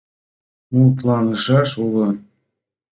Мутланышаш уло.